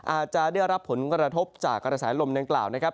อาจจะได้รับผลกระทบจากกระแสลมดังกล่าวนะครับ